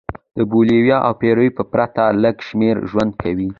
د بولیویا او پیرو په پرتله لږ شمېر ژوند کوي.